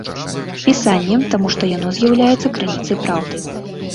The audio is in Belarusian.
Пісаннем, таму што яно з'яўляецца крыніцай праўды.